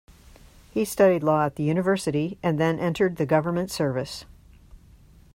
He studied law at the university, and then entered the government service.